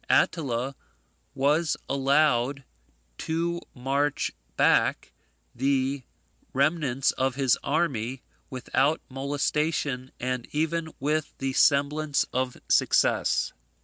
Attila was allowed to march back the remnants of his army without molestation, and even with the semblance of success.